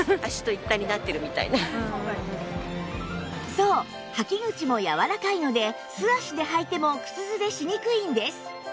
そう履き口もやわらかいので素足で履いても靴擦れしにくいんです